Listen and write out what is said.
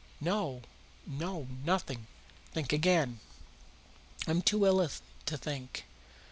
"No, no; nothing." "Think again." "I'm too ill to think."